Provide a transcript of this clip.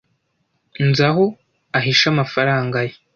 Nzi aho ahisha amafaranga ye.